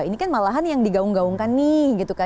ini kan malahan yang digaung gaungkan nih